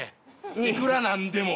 いくらなんでも。